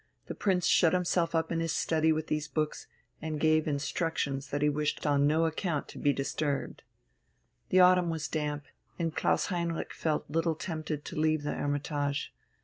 The Prince shut himself up in his study with these books, and gave instructions that he wished on no account to be disturbed. The autumn was damp, and Klaus Heinrich felt little tempted to leave the "Hermitage."